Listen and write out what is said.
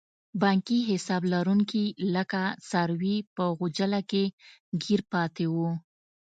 بانکي حساب لرونکي لکه څاروي په غوچله کې ګیر پاتې وو.